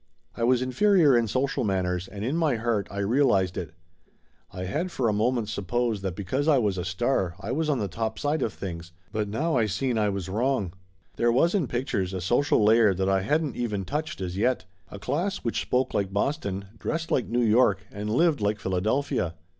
I was inferior in social manners, and in my heart I realized it. I had for a moment supposed that be cause I was a star I was on the topside of things, but now I seen I was wrong. There was in pictures a so cial layer that I hadn't even touched as yet a class 210 Laughter Limited 211 which spoke like Boston, dressed like New York and lived like Philadelphia.